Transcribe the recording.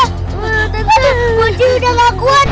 tante mochi udah gak kuat